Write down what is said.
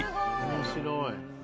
面白い。